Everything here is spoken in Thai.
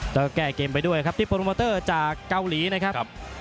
แล้วก็แก้เกมไปด้วยครับที่โปรโมเตอร์จากเกาหลีนะครับ